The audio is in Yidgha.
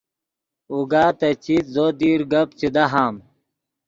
اوگا تے چیت زو دیر گپ چے دہام